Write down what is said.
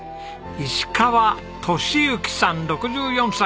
石川敏之さん６４歳。